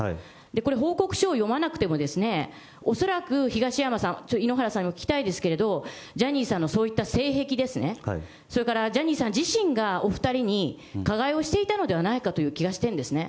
報告書を読まなくても、恐らく東山さん、井ノ原さんに聞きたいんですけど、ジャニーさんのそういった性癖ですね、それからジャニーさん自身が、お２人に加害をしていたのではないかという気がしてるんですね。